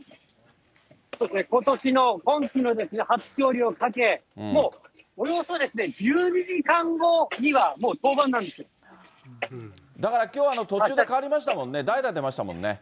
そうですね、ことしの、今季の初勝利をかけ、もうおよそ１２時間後には、だからきょう、途中で代わりましたもんね、代打出ましたもんね。